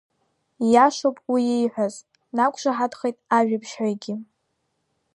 Ииашоуп уи ииҳәаз, днақәшаҳаҭхеит ажәабжьҳәаҩгьы.